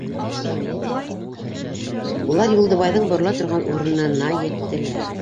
Улар Юлдыбайҙың борола торған урынына еттеләр.